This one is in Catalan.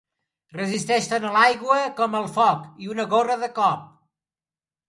Resisteix tant a l'aigua com al foc, i una gorra de cop.